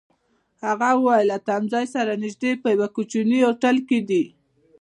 هغه وویل: له تمځای سره نژدې، په یوه کوچني هوټل کي دي.